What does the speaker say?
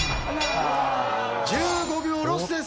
１５秒ロスです。